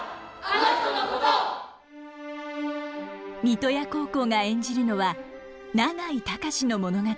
三刀屋高校が演じるのは永井隆の物語。